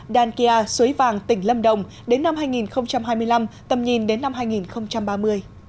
đan kia suối vàng tỉnh lâm đồng đến năm hai nghìn hai mươi năm tầm nhìn đến năm hai nghìn ba mươi